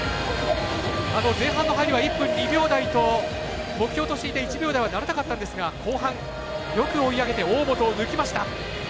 前半の入りは１分２秒台と目標としていた１秒台とはならなかったんですが後半、よく追い上げて大本を抜きました。